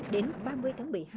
đến ba mươi tháng một mươi hai